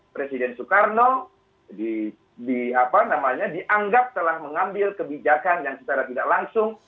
presiden soekarno dianggap telah mengambil kebijakan yang secara tidak langsung